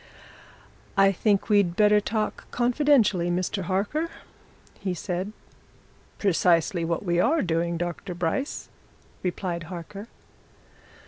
"I think we'd better talk confidentially, Mr. Harker," he said. "Precisely what we are doing, Dr. Bryce," replied Harker.